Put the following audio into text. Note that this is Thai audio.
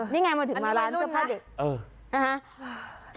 นี่ไงมันถึงมาร้านเจ้าข้าเด็ก